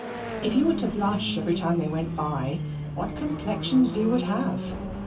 If you were to blush every time they went by, what complexions you would have!